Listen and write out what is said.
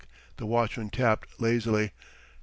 ." the watchman tapped lazily. ".